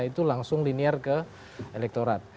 itu langsung linear ke elektorat